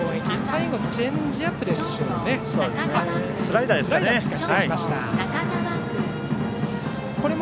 最後、チェンジアップでしょうか。